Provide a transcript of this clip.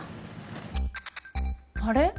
あれ？